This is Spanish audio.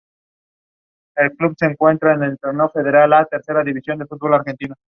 Se constituyó oficialmente como "Mushi Productions Co.